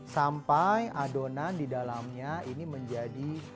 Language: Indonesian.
sampai adonan di dalamnya ini menjadi